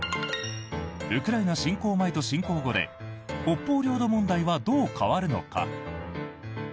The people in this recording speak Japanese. ウクライナ侵攻前と侵攻後で北方領土問題はどう変わるのか。